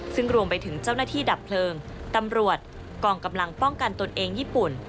ซึ่งรวมไปถึงเจ้าหน้าที่ดับเพลิงตำรวจกองกำลังป้องกันตนเองญี่ปุ่น